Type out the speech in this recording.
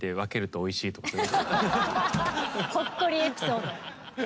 ほっこりエピソード。